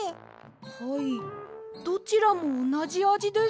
はいどちらもおなじあじです。